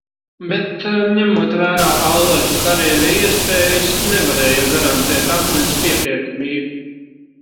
Bet, ņemot vērā Allažu karjera iespējas, nevarēja garantēt akmens pietiekamību.